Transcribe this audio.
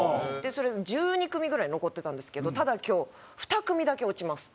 それ１２組ぐらい残ってたんですけど「ただ今日２組だけ落ちます」って言われて。